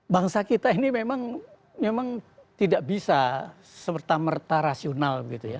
bangsa kita ini memang tidak bisa semerta merta rasional